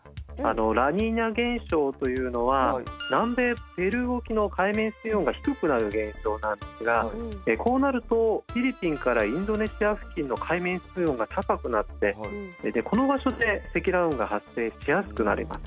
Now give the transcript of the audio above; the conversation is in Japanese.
ラニーニャ現象というのは南米ペルー沖の海面水温が低くなる現象なんですがこうなるとフィリピンからインドネシア付近の海面水温が高くなってこの場所で積乱雲が発生しやすくなります。